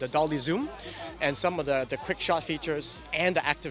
dan beberapa fitur quick shot dan track aktif